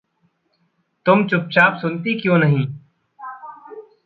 तुम चुपचाप सुनती क्यों नहीं?